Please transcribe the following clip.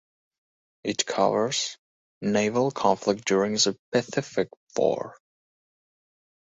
It covers naval conflict during the Pacific War.